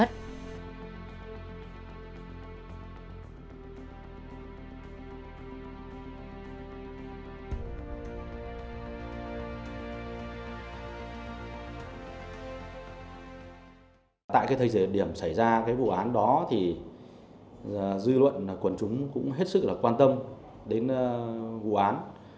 tại thời điểm xảy ra vụ án đó dư luận quần chúng cũng hết sức quan tâm đến vụ án